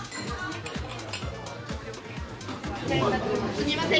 すみません。